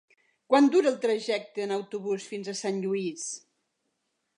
Quant dura el trajecte en autobús fins a Sant Lluís?